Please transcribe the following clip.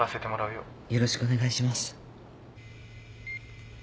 よろしくお願いします。